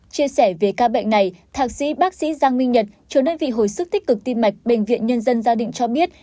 chia sẻ về ca bệnh này thạc sĩ bác sĩ giang minh nhật chủ đơn vị hồi sức tích cực tim mạch bệnh viện nhân dân gia đình cho biết